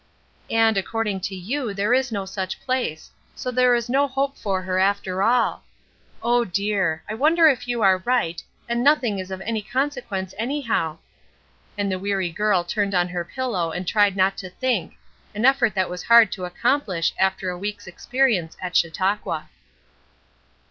"And, according to you, there is no such place; so there is no hope for her, after all. Oh, dear! I wonder if you are right, and nothing is of any consequence, anyhow?" And the weary girl turned on her pillow and tried not to think, an effort that was hard to accomplish after a week's experience at Chautauqua.